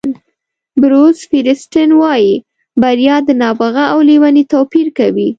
بروس فیریسټن وایي بریا د نابغه او لېوني توپیر کوي.